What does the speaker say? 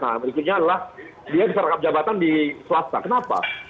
nah berikutnya adalah dia bisa rangkap jabatan di swasta kenapa